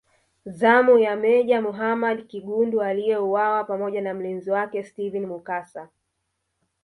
Zamu ya Meja Muhammad Kigundu aliyeuwa pamoja na mlinzi wake Steven Mukasa